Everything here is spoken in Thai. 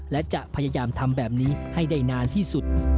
และจะพยายามทำแบบนี้ให้ได้นานที่สุด